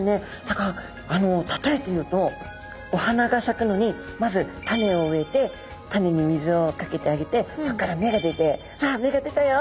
だからたとえて言うとお花がさくのにまず種を植えて種に水をかけてあげてそこから芽が出て「わあ芽が出たよ」